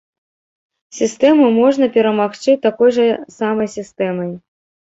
Сістэму можна перамагчы такой жа самай сістэмай.